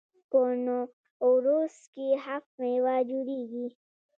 په نوروز کې هفت میوه جوړیږي.